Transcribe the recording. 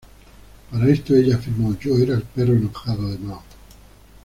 Para esto, ella afirmó: "Yo era el perro enojado de Mao.